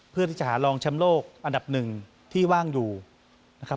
เพื่อที่จะหารองแชมป์โลกอันดับหนึ่งที่ว่างอยู่นะครับ